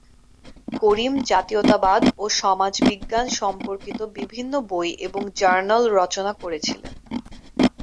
করিম জাতীয়তাবাদ ও সমাজবিজ্ঞান সম্পর্কিত বিভিন্ন বই এবং জার্নাল রচনা করেছিলেন।